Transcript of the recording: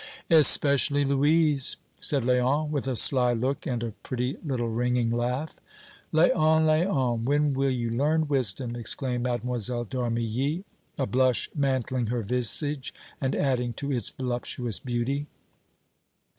"Especially Louise!" said Léon, with a sly look and a pretty little ringing laugh. "Léon, Léon, when will you learn wisdom!" exclaimed Mlle. d'Armilly, a blush mantling her visage, and adding to its voluptuous beauty.